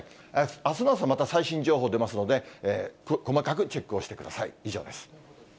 あすの朝、また最新情報出ますので、細かくチェックをしてください。